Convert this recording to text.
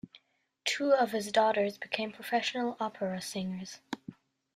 Two of his daughters became professional opera singers.